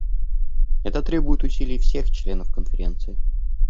Это требует усилий всех членов Конференции.